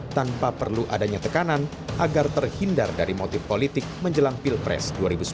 tanpa perlu adanya tekanan agar terhindar dari motif politik menjelang pilpres dua ribu sembilan belas